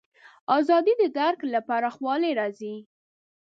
ازادي د درک له پراخوالي راځي.